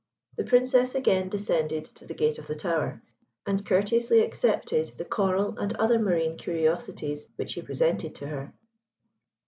The Princess again descended to the gate of the tower, and courteously accepted the coral and other marine curiosities which he presented to her.